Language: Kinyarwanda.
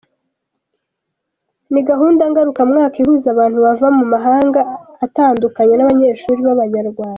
Ni gahunda ngaruka mwaka ihuza abantu bava mu mahanga atandukanye n’abanyeshuli b’abanyarwanda.